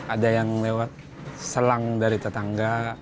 ada yang lewat selang dari tetangga